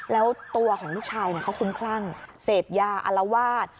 แล้วตัวของลูกชายเขาคุ้มคลั่งเสพยาอารวาส